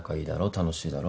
楽しいだろ。